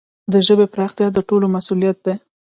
د ژبي پراختیا د ټولو مسؤلیت دی.